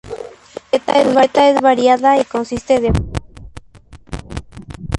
Su dieta es variada y consiste de hojas, frutos, flores e insectos.